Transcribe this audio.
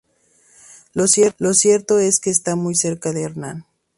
Lo cierto es que está muy cerca de Hernán.